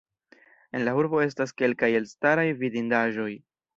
En la urbo estas kelkaj elstaraj vidindaĵoj.